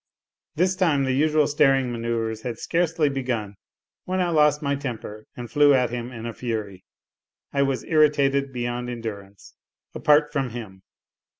This time the usual staring mano3uvres had scarcely begun when I lost my temper and flew at him in a fury. I was irritated beyond endurance apart from him.